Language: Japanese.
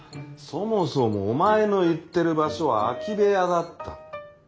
そもそもお前の言ってる場所は空き部屋だった。